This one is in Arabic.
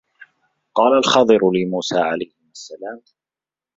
قَالَ الْخَضِرُ لِمُوسَى عَلَيْهِمَا السَّلَامُ